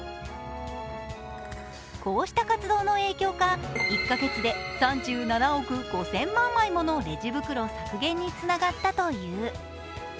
こうした活動の影響か、１カ月で３７億５０００万枚ものレジ袋削減につながったという。